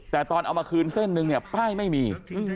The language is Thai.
แต่ตอนเอามาคืนเส้นนึงเนี่ยป้ายไม่มี